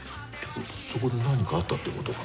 そこで何かあったってことかな？